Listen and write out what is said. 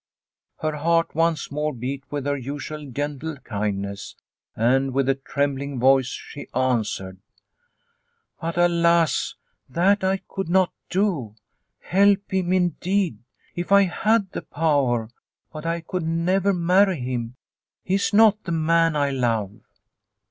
Her heart once more beat with her usual gentle kindness, and with a trembling voice she answered :" But alas, that I could not do. Help him, indeed, if I had the power but I could never marry him. He is not the man I love."